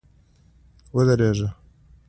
ودرېږه!